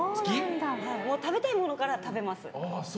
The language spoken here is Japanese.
食べたいものから食べます。